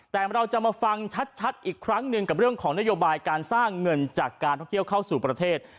แต่เราจะมาฟังชัดอีกครั้งหนึ่งกับเรื่องของนโยบายการสร้างเงินจากการท่องเที่ยวเข้าสู่ประเทศ